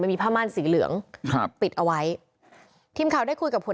มีผ้าม่านสีเหลืองครับปิดเอาไว้ทีมข่าวได้คุยกับผล